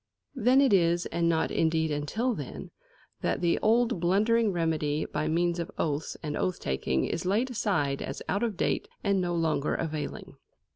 Then it is, and not, indeed, until then, that the old blundering remedy by means of oaths and oath taking is laid aside as out of date and no longer availing.